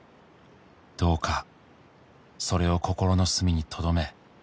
「どうかそれを心の隅にとどめ」